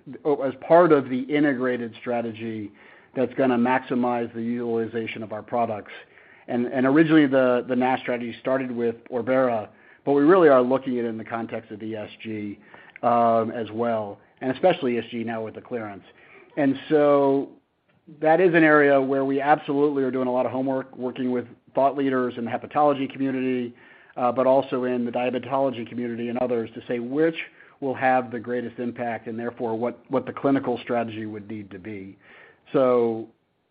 C: as part of the integrated strategy that's going to maximize the utilization of our products. Originally the NASH strategy started with Orbera, but we really are looking at it in the context of the ESG, as well, and especially ESG now with the clearance. That is an area where we absolutely are doing a lot of homework, working with thought leaders in the hepatology community, but also in the diabetology community and others to say, which will have the greatest impact, and therefore what the clinical strategy would need to be.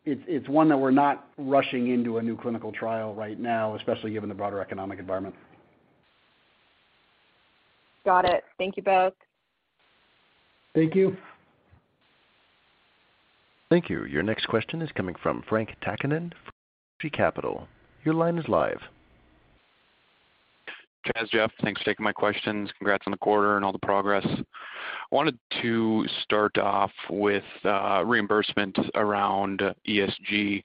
C: It's one that we're not rushing into a new clinical trial right now, especially given the broader economic environment.
F: Got it. Thank you both.
C: Thank you.
A: Thank you. Your next question is coming from Frank Takkinen from Lake Street Capital Markets. Your line is live.
G: Chas, Jeff, thanks for taking my questions. Congrats on the quarter and all the progress. I wanted to start off with reimbursement around ESG,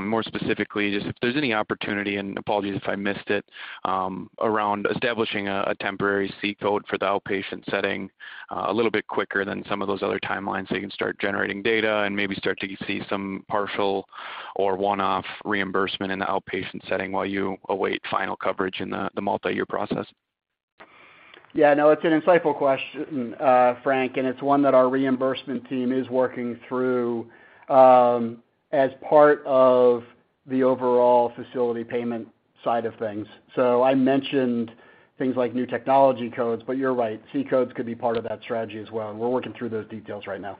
G: more specifically, just if there's any opportunity, and apologies if I missed it, around establishing a temporary C-code for the outpatient setting a little bit quicker than some of those other timelines, so you can start generating data and maybe start to see some partial or one-off reimbursement in the outpatient setting while you await final coverage in the multi-year process.
C: Yeah, no, it's an insightful question, Frank, and it's one that our reimbursement team is working through, as part of the overall facility payment side of things. I mentioned things like new technology codes, but you're right, C codes could be part of that strategy as well, and we're working through those details right now.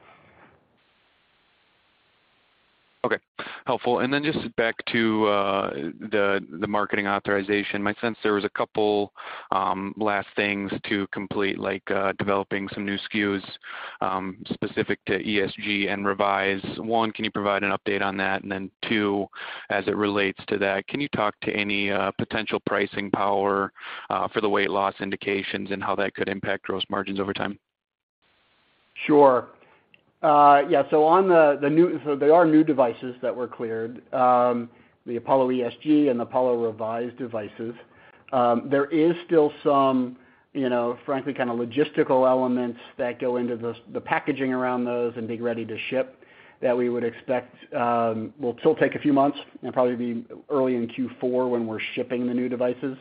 G: Okay. Helpful. Just back to the marketing authorization. My sense there was a couple last things to complete, like developing some new SKUs specific to ESG and Revise. One, can you provide an update on that? Two, as it relates to that, can you talk to any potential pricing power for the weight loss indications and how that could impact gross margins over time?
C: Sure. Yeah, so on the new. There are new devices that were cleared, the Apollo ESG and Apollo REVISE devices. There is still some, you know, frankly, kind of logistical elements that go into the packaging around those and being ready to ship that we would expect will still take a few months and probably be early in Q4 when we're shipping the new devices.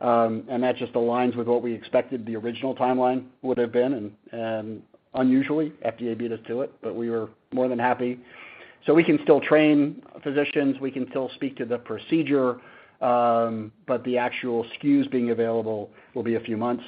C: That just aligns with what we expected the original timeline would have been. Unusually, FDA beat us to it, but we were more than happy. We can still train physicians, we can still speak to the procedure, but the actual SKUs being available will be a few months.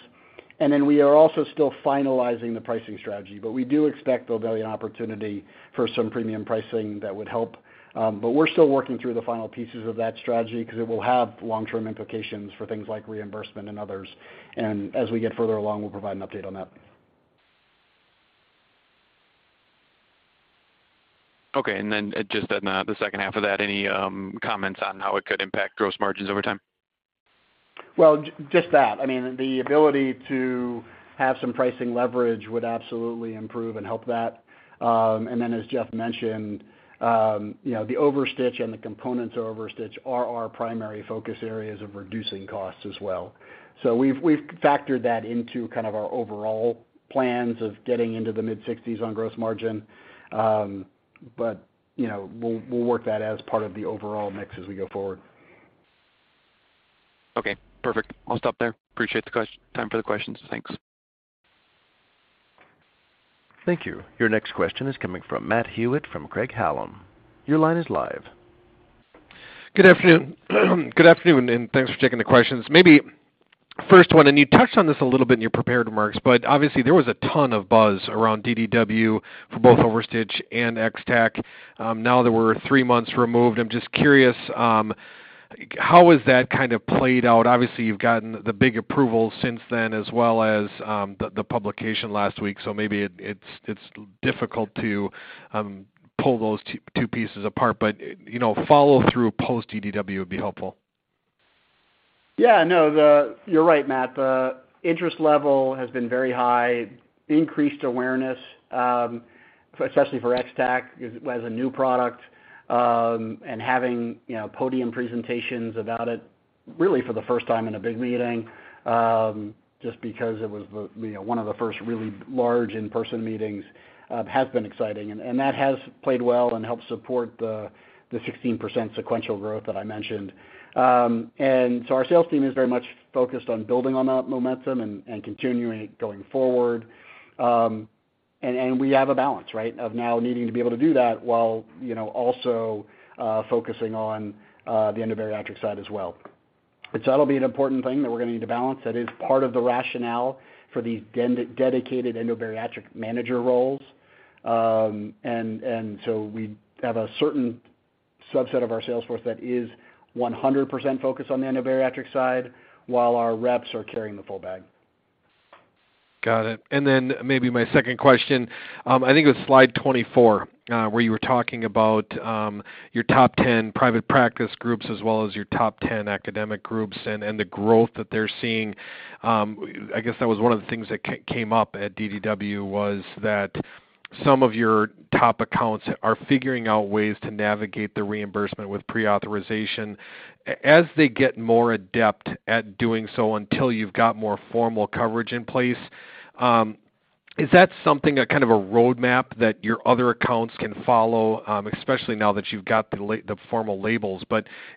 C: Then we are also still finalizing the pricing strategy. We do expect there'll be an opportunity for some premium pricing that would help. We're still working through the final pieces of that strategy because it will have long-term implications for things like reimbursement and others. As we get further along, we'll provide an update on that.
G: Okay. Then just on the second half of that, any comments on how it could impact gross margins over time?
C: Well, just that. I mean, the ability to have some pricing leverage would absolutely improve and help that. As Jeff mentioned, you know, the OverStitch and the components of OverStitch are our primary focus areas of reducing costs as well. We've factored that into kind of our overall plans of getting into the mid-sixties on gross margin. You know, we'll work that as part of the overall mix as we go forward.
G: Okay, perfect. I'll stop there. Appreciate the time for the questions. Thanks.
A: Thank you. Your next question is coming from Matt Hewitt from Craig-Hallum. Your line is live.
H: Good afternoon. Good afternoon, and thanks for taking the questions. Maybe first one, and you touched on this a little bit in your prepared remarks, but obviously there was a ton of buzz around DDW for both OverStitch and X-Tack. Now that we're three months removed, I'm just curious how has that kind of played out? Obviously, you've gotten the big approval since then, as well as the publication last week. So maybe it's difficult to pull those two pieces apart, but you know, follow through post DDW would be helpful.
C: You're right, Matt. The interest level has been very high. Increased awareness, especially for X-Tack as a new product, and having, you know, podium presentations about it, really for the first time in a big meeting, just because it was, you know, one of the first really large in-person meetings, has been exciting. That has played well and helped support the 16% sequential growth that I mentioned. So our sales team is very much focused on building on that momentum and continuing it going forward. We have a balance, right? Of now needing to be able to do that while, you know, also focusing on the endobariatric side as well. That'll be an important thing that we're going to need to balance. That is part of the rationale for these dedicated endobariatric manager roles. We have a certain subset of our sales force that is 100% focused on the endobariatric side, while our reps are carrying the full bag.
H: Got it. Then maybe my second question, I think it was slide 24, where you were talking about your top 10 private practice groups as well as your top 10 academic groups and the growth that they're seeing. I guess that was one of the things that came up at DDW, that some of your top accounts are figuring out ways to navigate the reimbursement with pre-authorization. As they get more adept at doing so until you've got more formal coverage in place, is that something like a kind of a roadmap that your other accounts can follow, especially now that you've got the formal labels?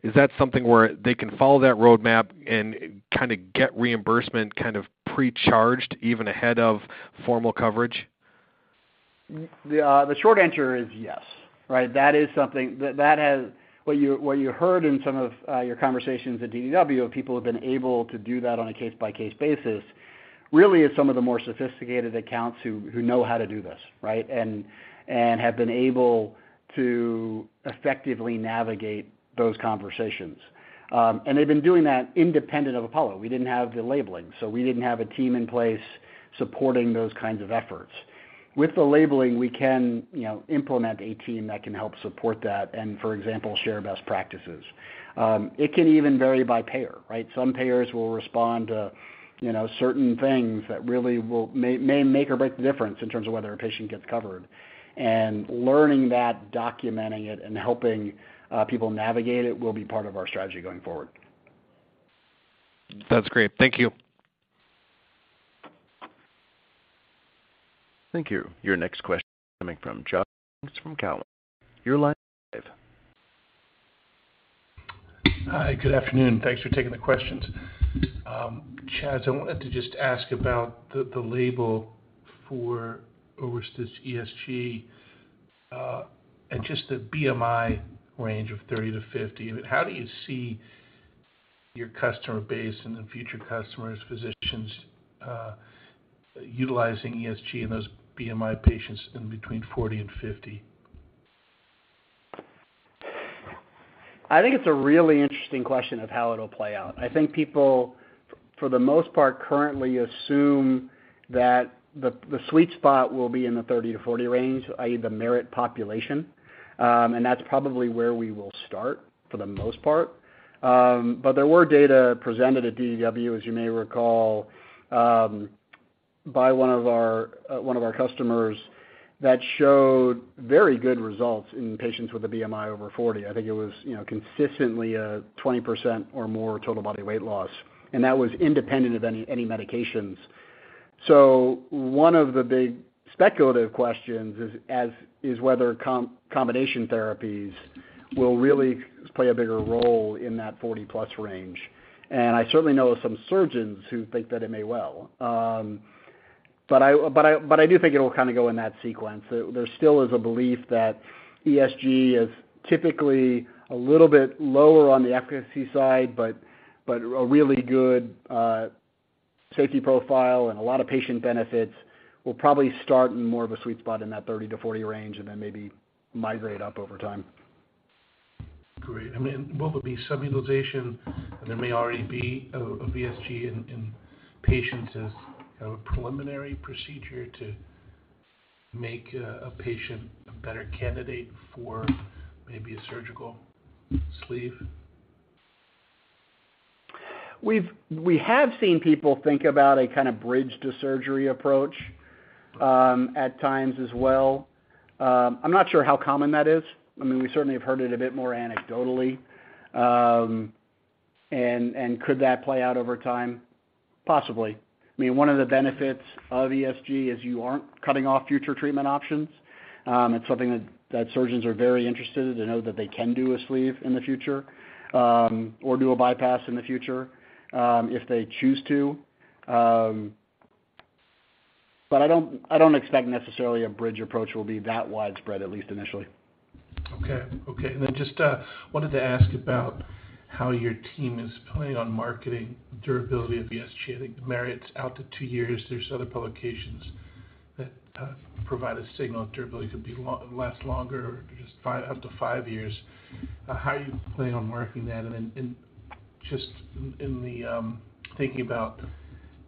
H: Is that something where they can follow that roadmap and kinda get reimbursement kind of pre-authorized even ahead of formal coverage?
C: The short answer is yes, right? What you heard in some of your conversations at DDW, people have been able to do that on a case-by-case basis, really is some of the more sophisticated accounts who know how to do this, right? And have been able to effectively navigate those conversations. They have been doing that independent of Apollo. We didn't have the labeling, so we didn't have a team in place supporting those kinds of efforts. With the labeling, we can implement a team that can help support that and, for example, share best practices. It can even vary by payer, right? Some payers will respond to certain things that really may make or break the difference in terms of whether a patient gets covered. Learning that, documenting it, and helping people navigate it will be part of our strategy going forward.
H: That's great. Thank you.
A: Thank you. Your next question coming from John. From Cowen. You're live.
I: Hi. Good afternoon. Thanks for taking the questions. Chas, I wanted to just ask about the label for OverStitch ESG, and just the BMI range of 30-50. How do you see your customer base and the future customers, physicians, utilizing ESG in those BMI patients in between 40 and 50?
C: I think it's a really interesting question of how it'll play out. I think people, for the most part, currently assume that the sweet spot will be in the 30-40 range, i.e., the MERIT population, and that's probably where we will start for the most part. But there were data presented at DDW, as you may recall, by one of our customers that showed very good results in patients with a BMI over 40. I think it was, you know, consistently a 20% or more total body weight loss, and that was independent of any medications. So one of the big speculative questions is whether combination therapies will really play a bigger role in that 40+ range. I certainly know of some surgeons who think that it may well. I do think it'll kind of go in that sequence. There still is a belief that ESG is typically a little bit lower on the efficacy side, but a really good safety profile and a lot of patient benefits will probably start in more of a sweet spot in that 30-40 range and then maybe migrate up over time.
I: Great. I mean, what would be sub-utilization, and there may already be of ESG in patients as a preliminary procedure to make a patient a better candidate for maybe a surgical sleeve?
C: We have seen people think about a kind of bridge to surgery approach, at times as well. I'm not sure how common that is. I mean, we certainly have heard it a bit more anecdotally. Could that play out over time? Possibly. I mean, one of the benefits of ESG is you aren't cutting off future treatment options. It's something that surgeons are very interested to know that they can do a sleeve in the future, or do a bypass in the future, if they choose to. I don't expect necessarily a bridge approach will be that widespread, at least initially.
I: Just wanted to ask about how your team is planning on marketing durability of ESG. I think the MERIT's out to two years. There's other publications that provide a signal durability could last longer, up to five years. How are you planning on marketing that? Just in the thinking about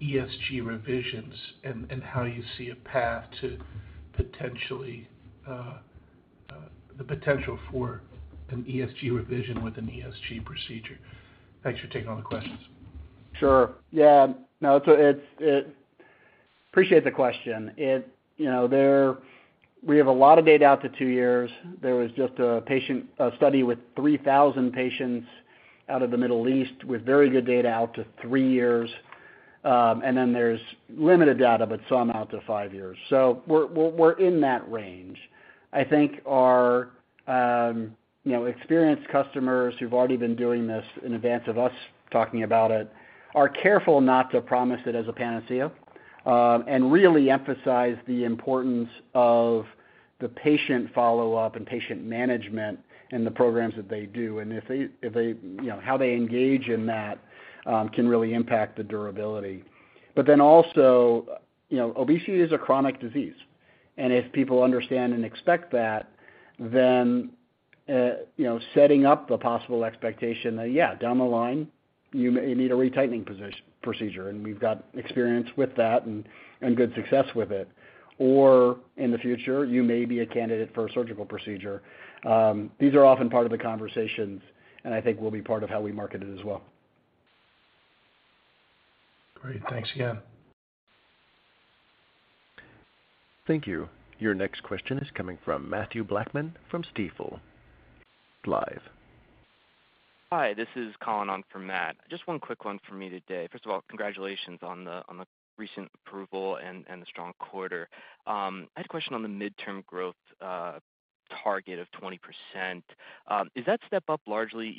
I: ESG revisions and how you see a path to potentially the potential for an ESG revision with an ESG procedure. Thanks for taking all the questions.
C: Appreciate the question. You know, we have a lot of data out to two years. There was just a study with 3,000 patients out of the Middle East with very good data out to three years. There's limited data, but some out to five years. We're in that range. I think our, you know, experienced customers who've already been doing this in advance of us talking about it are careful not to promise it as a panacea, and really emphasize the importance of the patient follow-up and patient management in the programs that they do. If they, you know, how they engage in that can really impact the durability. You know, obesity is a chronic disease. If people understand and expect that, then you know, setting up the possible expectation that, yeah, down the line, you may need a retightening post-procedure, and we've got experience with that and good success with it. In the future, you may be a candidate for a surgical procedure. These are often part of the conversations, and I think we'll be part of how we market it as well.
I: Great. Thanks again.
A: Thank you. Your next question is coming from Matthew Blackman from Stifel. Hi, this is Colin on for Matt. Just one quick one for me today. First of all, congratulations on the recent approval and the strong quarter. I had a question on the midterm growth target of 20%. Is that step up largely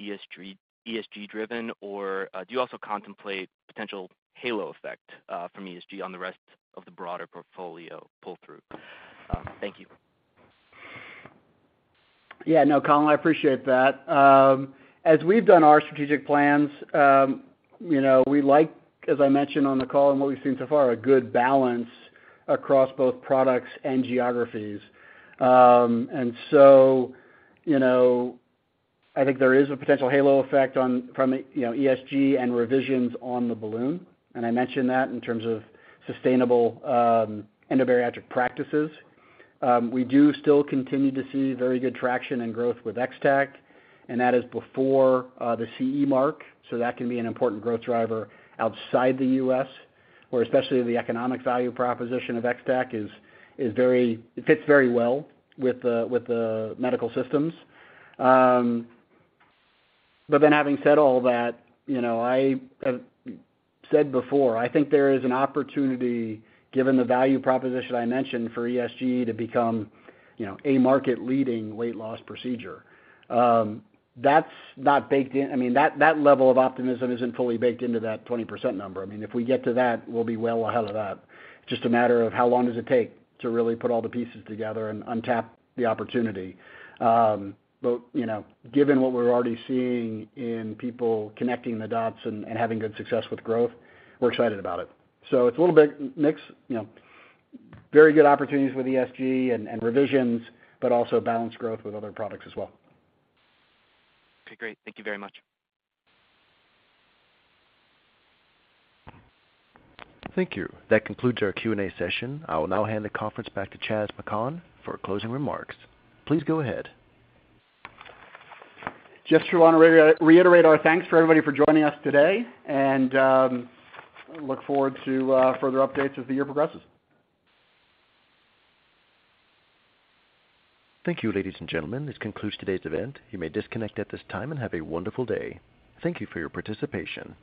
A: ESG driven? Or do you also contemplate potential halo effect from ESG on the rest of the broader portfolio pull-through? Thank you.
C: Yeah. No, Colin, I appreciate that. As we've done our strategic plans, you know, we like, as I mentioned on the call and what we've seen so far, a good balance across both products and geographies. You know, I think there is a potential halo effect from ESG and revisions on the balloon, and I mentioned that in terms of sustainable endobariatric practices. We do still continue to see very good traction and growth with X-Tack, and that is before the CE mark. That can be an important growth driver outside the U.S., where especially the economic value proposition of X-Tack is very. It fits very well with the medical systems. Having said all that, you know, I have said before, I think there is an opportunity, given the value proposition I mentioned, for ESG to become, you know, a market-leading weight loss procedure. That's not baked in. I mean, that level of optimism isn't fully baked into that 20% number. I mean, if we get to that, we'll be well ahead of that. Just a matter of how long does it take to really put all the pieces together and untap the opportunity. Given what we're already seeing in people connecting the dots and having good success with growth, we're excited about it. So it's a little bit mixed, you know. Very good opportunities with ESG and revisions, but also balanced growth with other products as well.
J: Okay, great. Thank you very much.
A: Thank you. That concludes our Q&A session. I will now hand the conference back to Chas McKhann for closing remarks. Please go ahead.
C: Just wanted to reiterate our thanks to everybody for joining us today, and look forward to further updates as the year progresses.
A: Thank you, ladies and gentlemen. This concludes today's event. You may disconnect at this time, and have a wonderful day. Thank you for your participation.